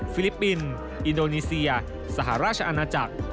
ลิปปินส์อินโดนีเซียสหราชอาณาจักร